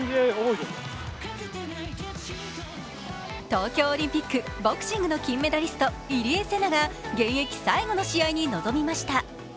東京オリンピックボクシングの金メダリスト、入江聖奈が現役最後の試合に臨みました。